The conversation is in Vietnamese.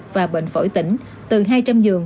và bệnh phổi tỉnh từ hai trăm linh giường